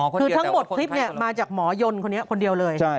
คือทั้งหมดคลิปมาจากหมอยนต์คนนี้คนเดียวเลย